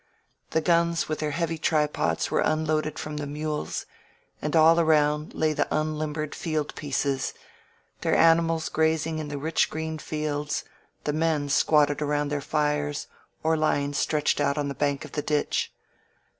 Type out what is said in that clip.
The guns and their heavy tripods were unloaded from the mules, and all around lay the unlimbered field pieces, their animals grazing in the rich green fields, the men squat ^ ted around their fires or lying stretched out on the bank of the ditch.